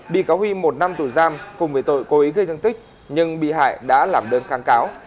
bị cáo huy một năm tù giam cùng với tội cố ý gây thương tích nhưng bị hại đã làm đơn kháng cáo